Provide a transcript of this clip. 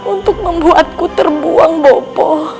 untuk membuatku terbuang bopo